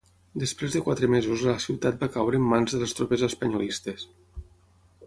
Després de quatre mesos la ciutat va caure en mans de les tropes espanyolistes.